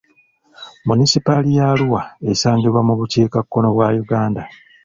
Munisipaali ya Arua esangibwa mu bukiikakkono bwa Uganda.